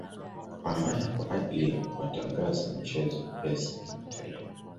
Kupambana kwa ajili ya kuwatangaza mchezo Pesa kimataifa